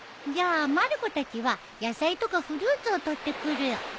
じゃあまる子たちは野菜とかフルーツを採ってくるよ。